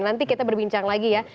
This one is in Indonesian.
nanti kita berbincang lagi ya